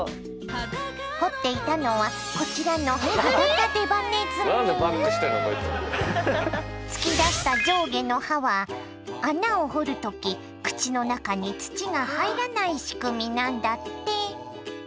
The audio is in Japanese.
掘っていたのはこちらのつきだした上下の歯は穴を掘る時口の中に土が入らない仕組みなんだって。